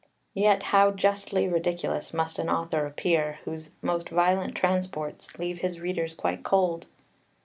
Yet how justly ridiculous must an author appear, whose most violent transports leave his readers quite cold!